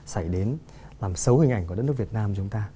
xảy đến làm xấu hình ảnh của đất nước việt nam chúng ta